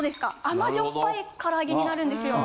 甘じょっぱい唐揚げになるんですよ。